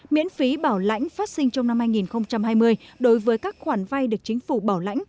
miễn phí bảo lãnh phát sinh trong năm hai nghìn hai mươi đối với các khoản vay được chính phủ bảo lãnh